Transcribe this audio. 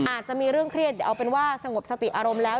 อาจจะมีเรื่องเครียดเดี๋ยวเอาเป็นว่าสงบสติอารมณ์แล้ว